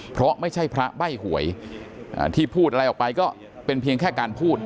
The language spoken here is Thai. เพราะไม่ใช่พระใบ้หวยที่พูดอะไรออกไปก็เป็นเพียงแค่การพูด